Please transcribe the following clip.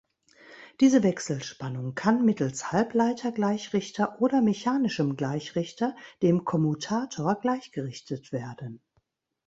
Diese Wechselspannung kann mittels Halbleiter-Gleichrichter oder mechanischem Gleichrichter, dem Kommutator, gleichgerichtet werden.